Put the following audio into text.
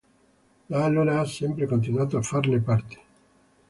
Da allora ha sempre continuato a farne parte.